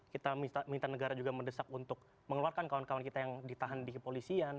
kita minta negara juga mendesak untuk mengeluarkan kawan kawan kita yang ditahan di kepolisian